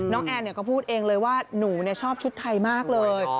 แอนก็พูดเองเลยว่าหนูชอบชุดไทยมากเลย